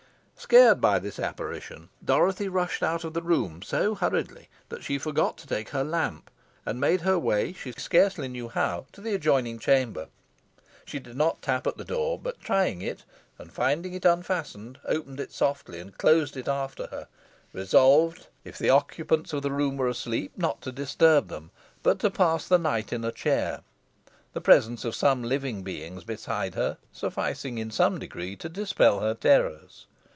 Scared by this apparition, Dorothy rushed out of the room so hurriedly that she forgot to take her lamp, and made her way, she scarcely knew how, to the adjoining chamber. She did not tap at the door, but trying it, and finding it unfastened, opened it softly, and closed it after her, resolved if the occupants of the room were asleep not to disturb them, but to pass the night in a chair, the presence of some living beings beside her sufficing, in some degree, to dispel her terrors.